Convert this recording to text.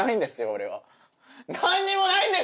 俺は何にもないんです